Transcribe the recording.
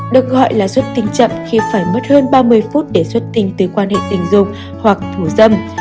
được gọi là xuất tinh chậm khi phải mất hơn ba mươi phút để xuất tinh từ quan hệ tình dục hoặc thủ dâm